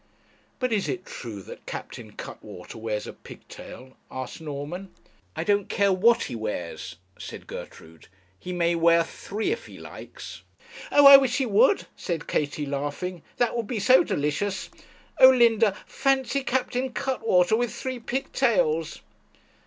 'But is it true that Captain Cuttwater wears a pigtail?' asked Norman. 'I don't care what he wears,' said Gertrude; 'he may wear three if he likes.' 'Oh! I wish he would,' said Katie, laughing; 'that would be so delicious. Oh, Linda, fancy Captain Cuttwater with three pigtails!'